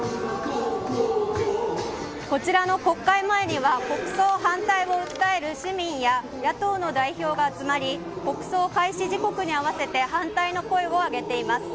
こちらの国会前には国葬反対を訴える市民や野党の代表が集まり国葬開始時刻に合わせて反対の声を上げています。